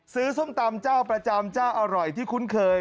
ส้มตำเจ้าประจำเจ้าอร่อยที่คุ้นเคย